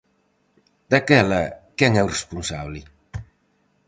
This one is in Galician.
Daquela quen é o responsable?